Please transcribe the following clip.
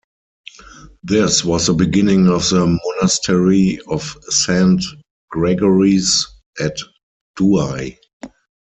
This was the beginning of the monastery of Saint Gregory's at Douai.